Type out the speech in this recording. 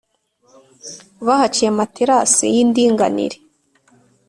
Bahaciye amaterasi y’indinganire